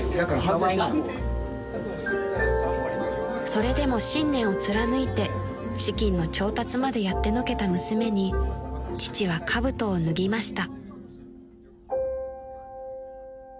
［それでも信念を貫いて資金の調達までやってのけた娘に父はかぶとを脱ぎました］